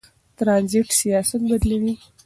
ترانزیت سیاست بدلوي.